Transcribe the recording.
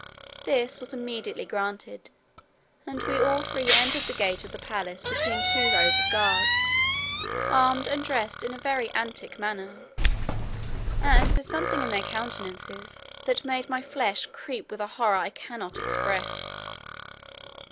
This was immediately granted, and we all three entered the gate of the palace between two rows of guards, armed and dressed after a very antic manner, and with something in their countenances that made my flesh creep with a horror I cannot express.